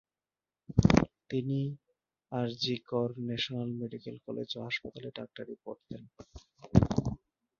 তিনি R G Kar national medical college ও হাসপাতালে ডাক্তারি পড়তেন।